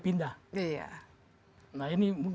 pindah nah ini